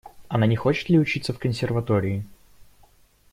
Она не хочет ли учиться в консерватории?